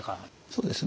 そうですね。